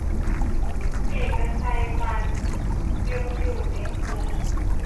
เอกชัย ตัน ยังอยู่ในคุก